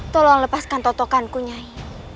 tolong lepaskan totokanku nyai